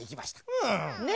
うん。ね？